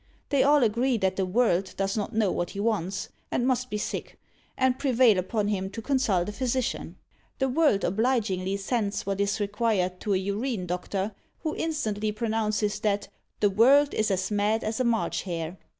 They all agree that the World does not know what he wants, and must be sick, and prevail upon him to consult a physician. The World obligingly sends what is required to a Urine doctor, who instantly pronounces that "the World is as mad as a March hare!"